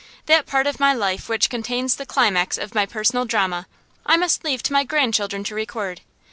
That part of my life which contains the climax of my personal drama I must leave to my grandchildren to record.